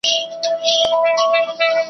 هره ورځ چي وو طبیب له کوره تللی `